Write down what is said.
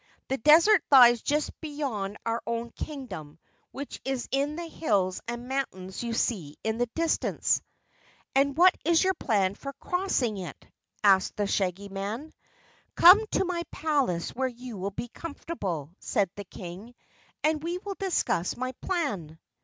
"The Desert lies just beyond our own Kingdom which is in the hills and mountains you see in the distance." "And what is your plan for crossing it?" asked the Shaggy Man. "Come to my palace where you will be comfortable," said the King, "and we will discuss my plan."